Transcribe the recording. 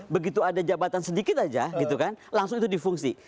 begitu ada jabatan sedikit aja gitu kan langsung itu difungsi